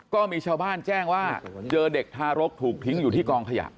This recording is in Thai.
ก็มีชาวบ้านแจ้งว่าเจอเด็กทารกถูกทิ้งอยู่ที่กองขยะ